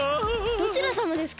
どちらさまですか？